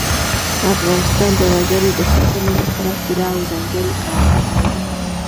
افغانستان د وګړي د ساتنې لپاره پوره او ځانګړي قوانین لري.